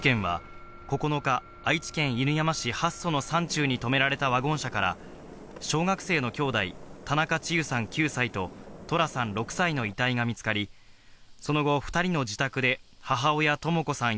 この事件は９日、愛知県犬山市八曽の山中に止められたワゴン車から小学生のきょうだい、田中千結さん９歳と、十楽さん、６歳の遺体が見つかり、その後、２人の自宅で母親・智子さん